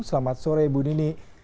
selamat sore bu nini